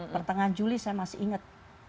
pertengahan juli saya masih ingat